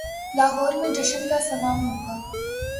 لاہور میں جشن کا سماں ہو گا۔